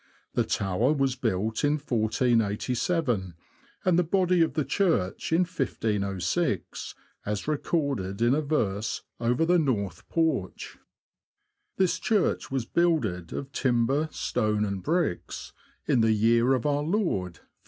The tower was built in 1487, and the body of the church in 1506, as recorded in a verse over the north porch :— This church was builded of Timber, Stone, and Bricks, In the year of our Lord XV.